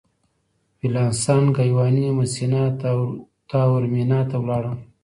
ویلاسان ګایواني مسینا تاورمینا ته ولاړم.